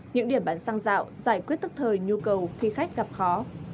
những điểm bán xăng dạo giải quyết tức thời nhu cầu khi khách gặp khó